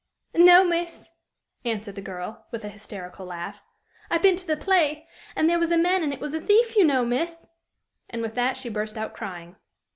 "No, miss," answered the girl, with an hysterical laugh. "I been to the play, and there was a man in it was a thief, you know, miss!" And with that she burst out crying.